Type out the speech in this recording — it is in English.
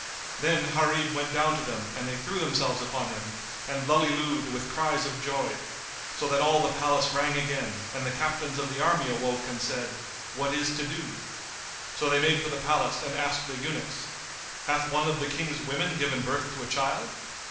Then Gharib went down to them and they threw themselves upon him and lullilooed with cries of joy, so that all the palace rang again and the Captains of the army awoke and said, "What is to do?" So they made for the palace and asked the eunuchs, "Hath one of the King's women given birth to a child?"